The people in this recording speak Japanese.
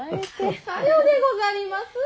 さよでございます。